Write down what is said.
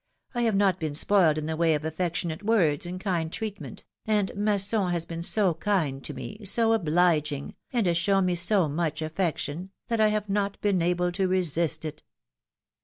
I have not been spoiled in the way of affectionate words and kind treatment, and Masson has been so kind to me, so obliging, and has shown me so much affection, that I have not been able to resist it."